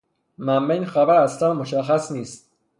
منبع این خبر اصلا مشخص نیست.